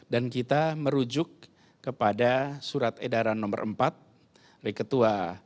dan kita merujuk kepada surat edaran nomor empat dari ketua